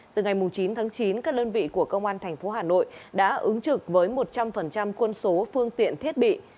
từ ngày chín tháng chín các đơn vị của công an tp hà nội đã ứng trực với một trăm linh quân số phương tiện thiết bị